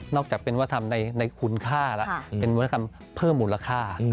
จากเป็นวัฒนธรรมในคุณค่าแล้วเป็นวัฒนธรรมเพิ่มมูลค่า